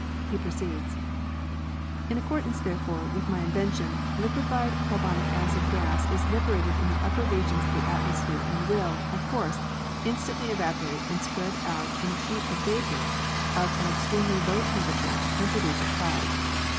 He proceeds: In accordance, therefore, with my invention, liquefied carbonic acid gas is liberated in the upper regions of the atmosphere and will, of course, instantly evaporate and spread out in a sheet of vapor of an extremely low temperature and produce a cloud.